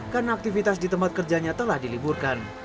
karena aktivitas di tempat kerjanya telah diselamatkan